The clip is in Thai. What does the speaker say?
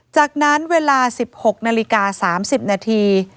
จากนั้นเวลา๑๖นาฬิกา๓๐นาที